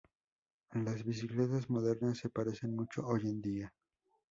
Las bicicletas modernas se parecen mucho hoy en día.